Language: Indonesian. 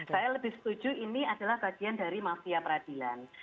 saya lebih setuju ini adalah bagian dari mafia peradilan